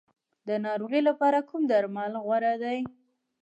د ناروغۍ لپاره کوم درمل غوره دي؟